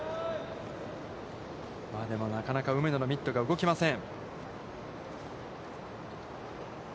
でも、なかなか梅野のミットが動きません。